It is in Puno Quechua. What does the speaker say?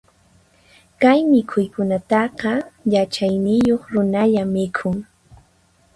Kay mikhuykunataqa, yachayniyuq runalla mikhun.